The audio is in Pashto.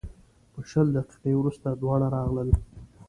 په شل دقیقې وروسته دواړه راغلل.